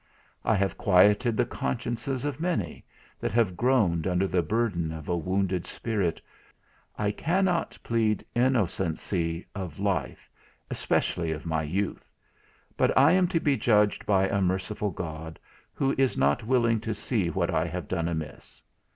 I have quieted the consciences of many, that have groaned under the burden of a wounded spirit, whose prayers I hope are available for me. I cannot plead innocency of life, especially of my youth; but I am to be judged by a merciful God, who is not willing to see what I have done amiss.